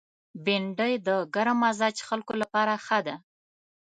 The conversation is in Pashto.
بېنډۍ د ګرم مزاج خلکو لپاره ښه ده